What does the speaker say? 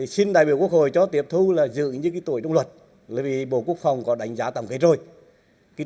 xin đại biểu quốc hội cho tiếp thu là dự như tuổi đúng luật bởi bộ quốc phòng có đánh giá tầm kết rồi